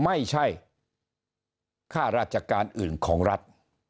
ไม่ใช่ค่าราชการอื่นของรัฐ